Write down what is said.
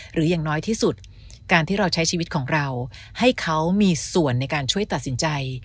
อย่างน้อยที่สุดการที่เราใช้ชีวิตของเราให้เขามีส่วนในการช่วยตัดสินใจ